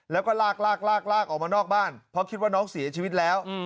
แล้วก็ลากลากออกมานอกบ้านเพราะคิดว่าน้องเสียชีวิตแล้ว